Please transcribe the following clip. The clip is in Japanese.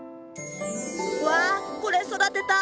うわこれ育てたい！